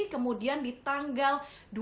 kemudian di tanggal